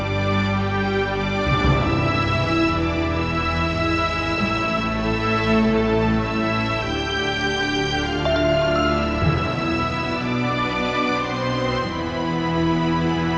sampai jumpa di video selanjutnya